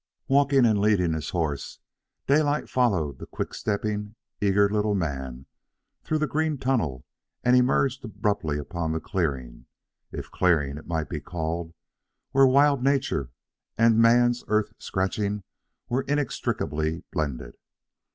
Walking and leading his horse, Daylight followed the quick stepping eager little man through the green tunnel and emerged abruptly upon the clearing, if clearing it might be called, where wild nature and man's earth scratching were inextricably blended.